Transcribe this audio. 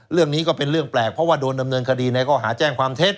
เรื่องนี้ก็เป็นเรื่องแปลกเพราะว่าโดนดำเนินคดีในข้อหาแจ้งความเท็จ